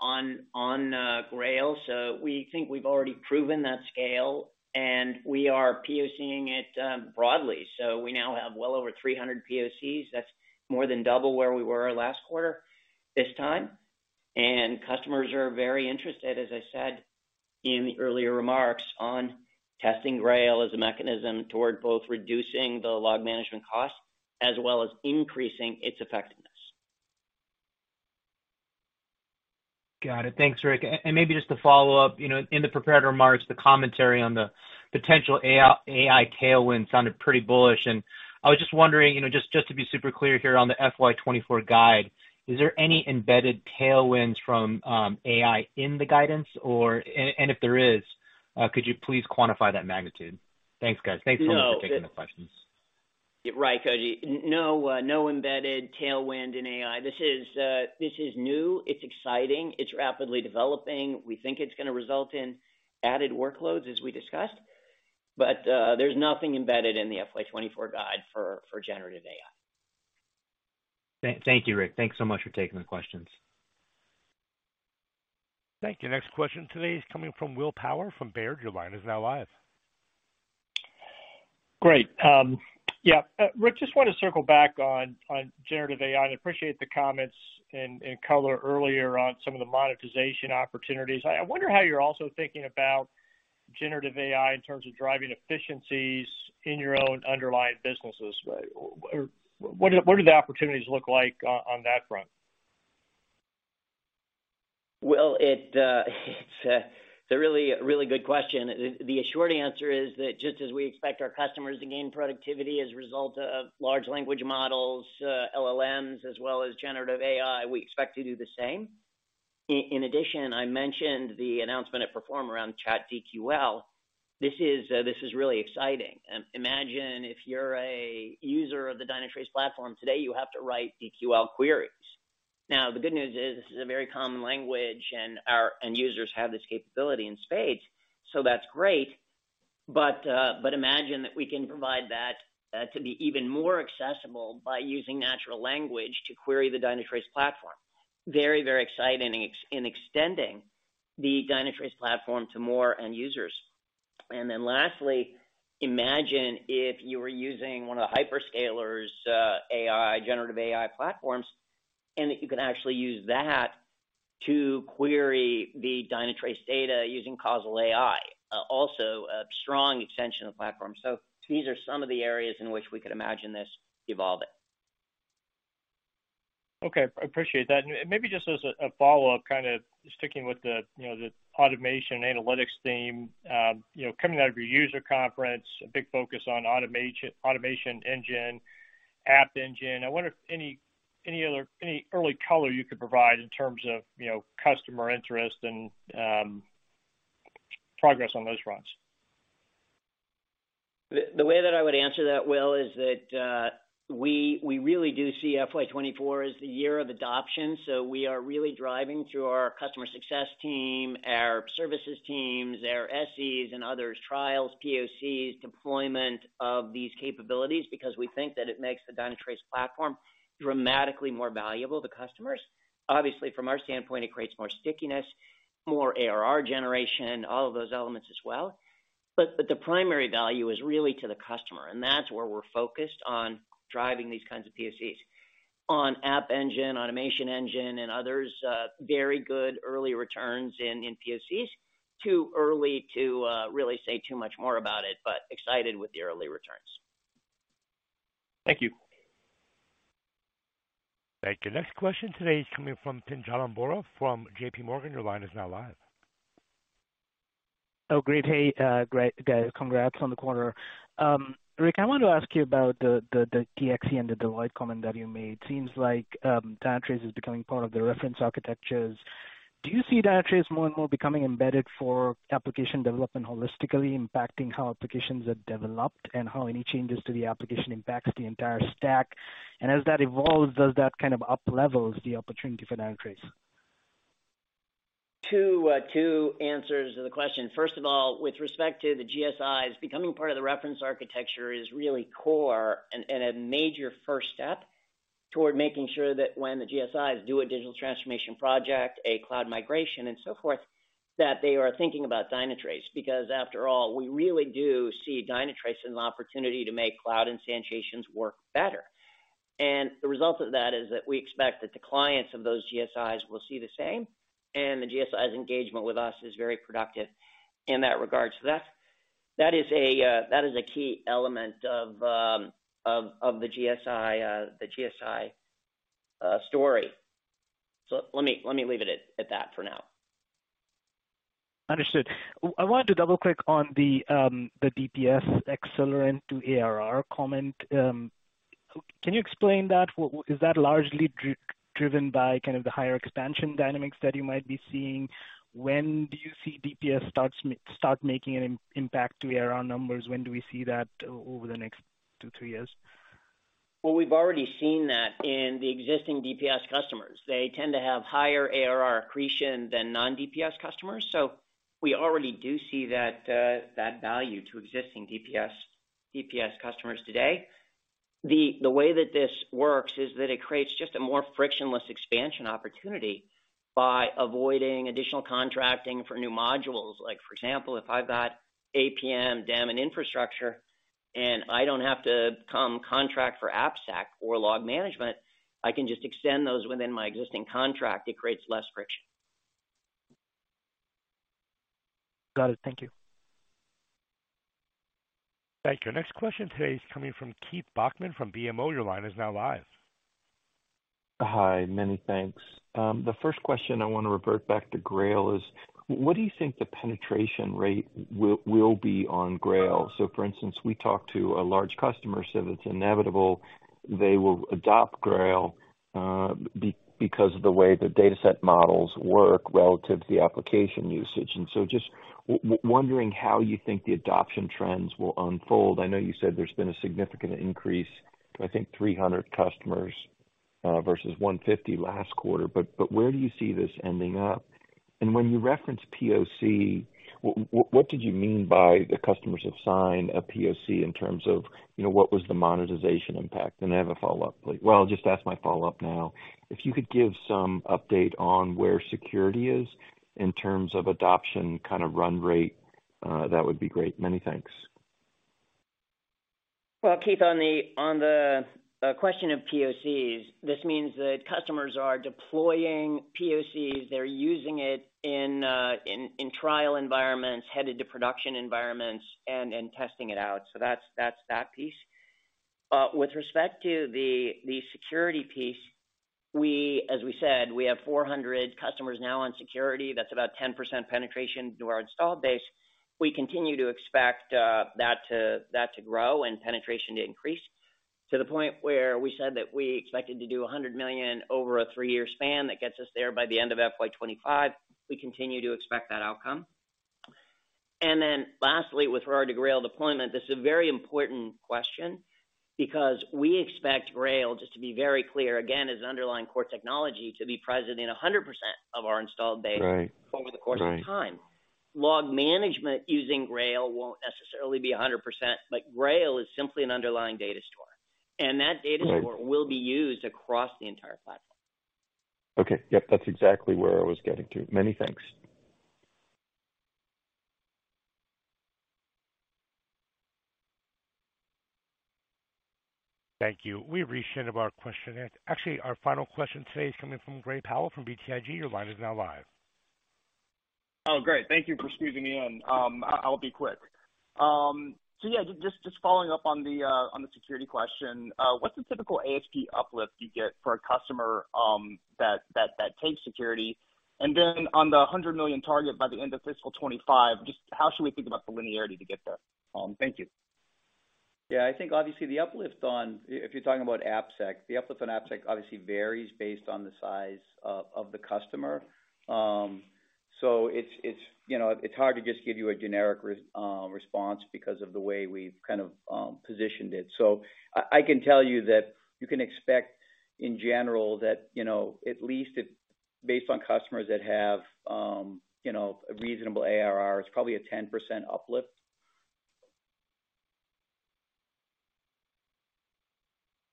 on Grail. We think we've already proven that scale, and we are POC-ing it, broadly. We now have well over 300 POCs. That's more than double where we were last quarter this time. Customers are very interested, as I said in the earlier remarks, on testing Grail as a mechanism toward both reducing the log management costs as well as increasing its effectiveness. Got it. Thanks, Rick. Maybe just to follow up, you know, in the prepared remarks, the commentary on the potential AI tailwind sounded pretty bullish. I was just wondering, you know, just to be super clear here on the FY 2024 guide, is there any embedded tailwinds from AI in the guidance? If there is, could you please quantify that magnitude? Thanks, guys. Thanks so much for taking the questions. Right, Koji. No, no embedded tailwind in AI. This is, this is new. It's exciting. It's rapidly developing. We think it's gonna result in added workloads, as we discussed. There's nothing embedded in the FY 2024 guide for generative AI. Thank you, Rick. Thanks so much for taking the questions. Thank you. Next question today is coming from Will Power from Baird. Your line is now live. Great. Rick, just want to circle back on generative AI and appreciate the comments and color earlier on some of the monetization opportunities. I wonder how you're also thinking about generative AI in terms of driving efficiencies in your own underlying businesses. What do the opportunities look like on that front? Will, it's a really, really good question. The short answer is that just as we expect our customers to gain productivity as a result of Large Language Models, LLMs, as well as generative AI, we expect to do the same. In addition, I mentioned the announcement at Perform around Chat DQL. This is really exciting. Imagine if you're a user of the Dynatrace Platform today, you have to write DQL queries. The good news is this is a very common language, and our end users have this capability in spades. That's great. But imagine that we can provide that to be even more accessible by using natural language to query the Dynatrace Platform. Very, very exciting in extending the Dynatrace Platform to more end users. Lastly, imagine if you were using one of the hyperscalers', AI, generative AI platforms, and that you can actually use that to query the Dynatrace data using causal AI. Also a strong extension of the platform. These are some of the areas in which we could imagine this evolving. Okay. I appreciate that. Maybe just as a follow-up, kinda sticking with the, you know, the automation analytics theme, you know, coming out of your user conference, a big focus on AutomationEngine, AppEngine. I wonder if any early color you could provide in terms of, you know, customer interest and progress on those fronts. The way that I would answer that, Will, is that we really do see FY 2024 as the year of adoption. We are really driving through our customer success team, our services teams, our SEs and others, trials, POCs, deployment of these capabilities, because we think that it makes the Dynatrace Platform dramatically more valuable to customers. Obviously, from our standpoint, it creates more stickiness, more ARR generation, all of those elements as well. But the primary value is really to the customer, and that's where we're focused on driving these kinds of POCs. On AppEngine, AutomationEngine and others, very good early returns in POCs. Too early to really say too much more about it, but excited with the early returns. Thank you. Thank you. Next question today is coming from Pinjalim Bora from JP Morgan. Your line is now live. Oh, great. Hey, great guys. Congrats on the quarter. Rick, I want to ask you about the DXC and the Deloitte comment that you made. Seems like Dynatrace is becoming part of the reference architectures. Do you see Dynatrace more and more becoming embedded for application development holistically impacting how applications are developed and how any changes to the application impacts the entire stack? As that evolves, does that kind of up levels the opportunity for Dynatrace? Two answers to the question. First of all, with respect to the GSIs, becoming part of the reference architecture is really core and a major first step toward making sure that when the GSIs do a digital transformation project, a cloud migration and so forth, that they are thinking about Dynatrace. After all, we really do see Dynatrace as an opportunity to make cloud instantiations work better. The result of that is that we expect that the clients of those GSIs will see the same, and the GSIs engagement with us is very productive in that regard. That's, that is a key element of the GSI story. Let me, let me leave it at that for now. Understood. I wanted to double-click on the DPS accelerant to ARR comment. Can you explain that? Is that largely driven by kind of the higher expansion dynamics that you might be seeing? When do you see DPS starts start making an impact to ARR numbers? When do we see that over the next two, three years? We've already seen that in the existing DPS customers. They tend to have higher ARR accretion than non-DPS customers. We already do see that value to existing DPS customers today. The way that this works is that it creates just a more frictionless expansion opportunity by avoiding additional contracting for new modules. Like, for example, if I've got APM, DEM and infrastructure, and I don't have to come contract for AppSec or log management, I can just extend those within my existing contract. It creates less friction. Got it. Thank you. Thank you. Next question today is coming from Keith Bachman from BMO. Your line is now live. Hi. Many thanks. The first question I wanna revert back to Grail is, what do you think the penetration rate will be on Grail? For instance, we talked to a large customer, said it's inevitable they will adopt Grail, because of the way the dataset models work relative to the application usage. Just wondering how you think the adoption trends will unfold. I know you said there's been a significant increase to, I think, 300 customers, versus 150 last quarter, but where do you see this ending up? When you referenced POC, what did you mean by the customers have signed a POC in terms of, you know, what was the monetization impact? I have a follow-up. Well, I'll just ask my follow-up now. If you could give some update on where security is in terms of adoption, kind of run rate, that would be great. Many thanks. Well, Keith, on the question of POCs, this means that customers are deploying POCs. They're using it in trial environments, headed to production environments and testing it out. That's that piece. With respect to the security piece, as we said, we have 400 customers now on security. That's about 10% penetration to our installed base. We continue to expect that to grow and penetration to increase to the point where we said that we expected to do $100 million over a three-year span. That gets us there by the end of FY25. We continue to expect that outcome. Lastly, with regard to Grail deployment, this is a very important question because we expect Grail, just to be very clear, again, as underlying core technology, to be present in 100% of our installed base. Right. Over the course of time. Log management using Grail won't necessarily be 100%, but Grail is simply an underlying data store, and that data store will be used across the entire platform. Okay. Yep, that's exactly where I was getting to. Many thanks. Thank you. We've reached the end of our question. Our final question today is coming from Gray Powell from BTIG. Your line is now live. Great. Thank you for squeezing me in. I'll be quick. Yeah, just following up on the security question, what's the typical ASP uplift you get for a customer that takes security? On the $100 million target by the end of fiscal 2025, just how should we think about the linearity to get there? Thank you. Yeah. I think obviously the uplift on. If you're talking about AppSec, the uplift on AppSec obviously varies based on the size of the customer. It's, you know, it's hard to just give you a generic response because of the way we've kind of positioned it. I can tell you that you can expect in general that, you know, at least if based on customers that have, you know, a reasonable ARR, it's probably a 10% uplift.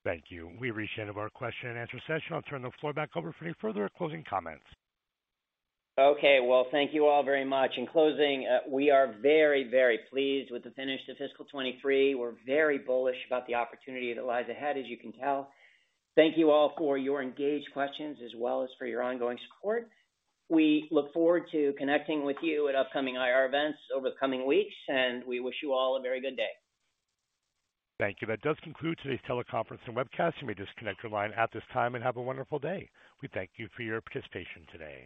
Thank you. We've reached the end of our question and answer session. I'll turn the floor back over for any further closing comments. Okay. Well, thank you all very much. In closing, we are very, very pleased with the finish to fiscal 2023. We're very bullish about the opportunity that lies ahead, as you can tell. Thank you all for your engaged questions as well as for your ongoing support. We look forward to connecting with you at upcoming IR events over the coming weeks, and we wish you all a very good day. Thank you. That does conclude today's teleconference and webcast. You may disconnect your line at this time and have a wonderful day. We thank you for your participation today.